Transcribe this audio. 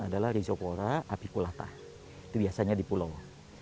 adalah rhizophora apiculata itu biasanya di pulau